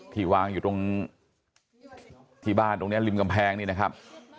ที่วางอยู่ตรงที่บ้านตรงนี้ริมกำแพงนี่นะครับ